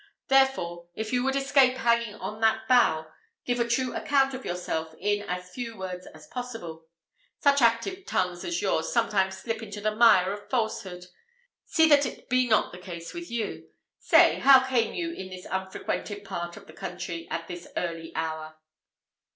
Therefore, if you would escape hanging on that bough, give a true account of yourself in as few words as possible. Such active tongues as yours sometimes slip into the mire of falsehood. See that it be not the case with you. Say, how came you in this unfrequented part of the country, at this early hour?"